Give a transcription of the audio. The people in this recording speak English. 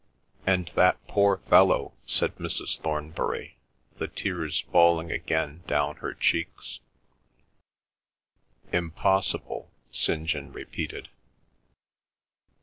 "And that poor fellow," said Mrs. Thornbury, the tears falling again down her cheeks. "Impossible," St. John repeated.